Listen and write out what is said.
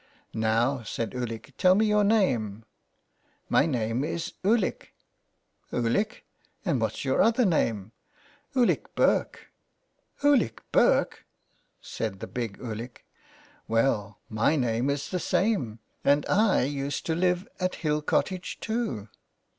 " Now," said Ulick, " tell me your name." " My name is Ulick." " Ulick ! And what's your other name ?'" Ulick Burke." " Ulick Burke!" said the big Ulick. ''Well, my name is the same. And I used to live at Hill Cottage too."